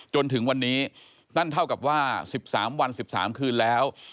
จนถึงวันนี้นั่นเท่ากับว่า๑๓วัน๑๓คืนแล้ว